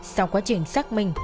sau quá trình xác minh